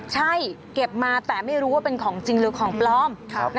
ใช่เก็บมาแต่ไม่รู้ว่าเป็นของจริงหรือของปลอม